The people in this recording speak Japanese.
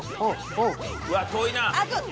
うわっ遠いな。